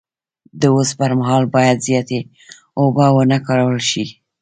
د اودس پر مهال باید زیاتې اوبه و نه کارول شي.